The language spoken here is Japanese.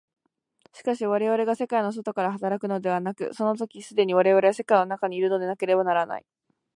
しかし我々が世界の外から働くのではなく、その時既に我々は世界の中にいるのでなければならない。